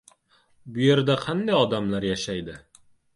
Bu yerda qanday odamlar yashaydi?